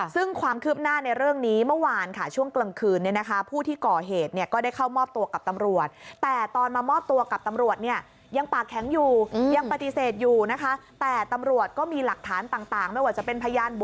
ซึ่งความคืบหน้าในเรื่องนี้เมื่อวาน